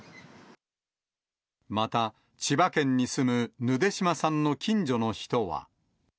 また、千葉県に住むぬで島さんの近所の人は。